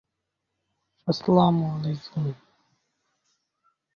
এই সেক্টরে যোগ দেওয়ার কিছুদিন পর আবদুস সালাম এক যুদ্ধে শহীদ হন।